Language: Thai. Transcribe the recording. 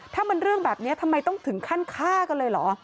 ถ้ามันเรื่องแบบนี้ทำไมต้องถึงขั้นฆ่ากันเลยเหรอ